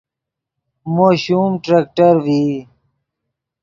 مو شوم ٹریکٹر ڤئی